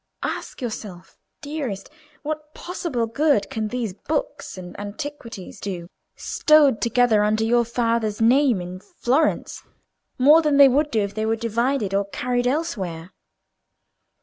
Ask yourself, dearest, what possible good can these books and antiquities do, stowed together under your father's name in Florence, more than they would do if they were divided or carried elsewhere?